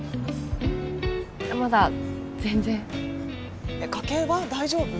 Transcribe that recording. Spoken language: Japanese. まだ全然家計は大丈夫？